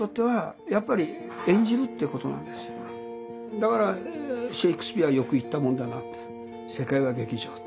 だからシェークスピアはよく言ったもんだなって。